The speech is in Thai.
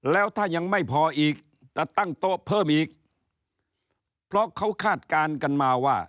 แล้วถ้ายังไม่พออีกจะตั้งโต๊ะเพิ่มอีกเพราะเขาคาดการณ์กันมาว่า